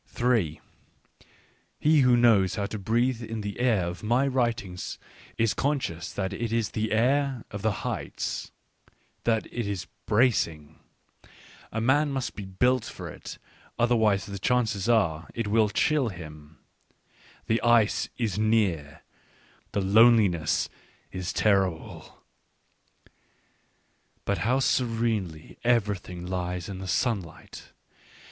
r He who knows how to breathe in the air of my writings is conscious that it is the air of the heights, that it is bracing. A man must be built Digitized by Google PREFACE 3 for it, otherwise the chances are that it will chill him. The ice is near, the loneliness is terrible — but how serenely everything lies in the sunshine !